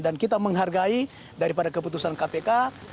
dan kita menghargai daripada keputusan kpk